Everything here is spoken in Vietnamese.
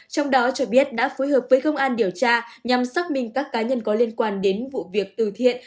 trong đó cho biết đã phối hợp với công an điều tra nhằm xác minh các cá nhân có liên quan đến vụ việc từ thiện